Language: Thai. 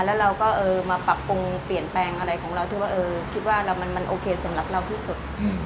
แล้วเราก็มาปรับปรุงเปลี่ยนแปลงอะไรของเราที่ว่าคิดว่ามันโอเคสำหรับเราที่สุด